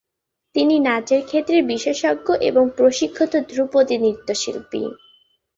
তিনি নাচের ক্ষেত্রে বিশেষজ্ঞ এবং প্রশিক্ষিত ধ্রুপদী নৃত্যশিল্পী।